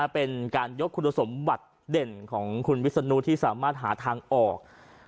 เป็นการยกคุณสมบัติเด่นของคุณวิศนุที่สามารถหาทางออก